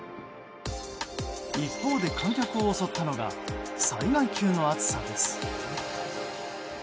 一方で観客を襲ったのが災害級の暑さです。